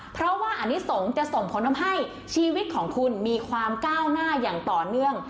เพราะว่าอนิสงฆ์จะส่งผลทำให้ชีวิตของคุณมีความก้าวหน้าอย่างต่อเนื่อง